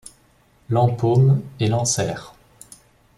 L’empaume et l’enserre.